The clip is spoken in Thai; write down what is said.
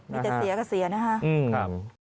มีแต่เสียก็เสียนะฮะ